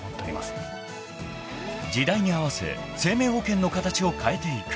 ［時代に合わせ生命保険の形を変えていく］